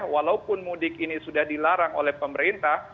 walaupun mudik ini sudah dilarang oleh pemerintah